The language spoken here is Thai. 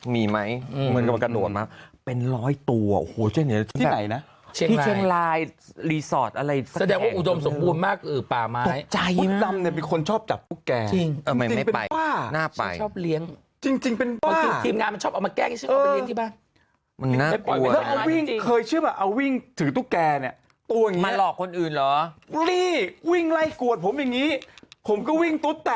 มีก็แบบกัดหน่วดมาเป็นร้อยตัวโหช่งไงนะที่เชนแรนดรีสอร์ตอะไรแสดงว่าอุดมสมบูรณ์มากหือป่าม้ายใจมีคนชอบจับตุ๊กแกไม่ไปจริงเป็นบ้าทีมงานมันชอบเอามาแกล้งใช้เข้ามาเลี้ยงที่บ้านมันน่ากลัวอ่ะเคยเชื่อมาเอาวิ่งถือตุ๊กแกเนี่ยตัวนี้มาหลอกคนอื่นเหรอลี่วิ่งไล้กวดผมอย่างนี้ผมก็วิ